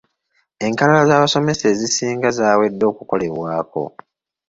Enkalala z'abasomesa ezisinga zaawedde okukolebwako.